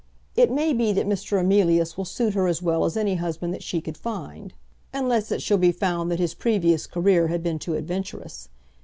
It may be that Mr. Emilius will suit her as well as any husband that she could find, unless it shall be found that his previous career has been too adventurous.